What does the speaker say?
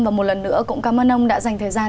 và một lần nữa cũng cảm ơn ông đã dành thời gian